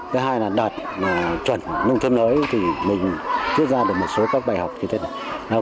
thứ hai là đạt chuẩn nông thôn mới thì mình rút ra được một số các bài học như thế này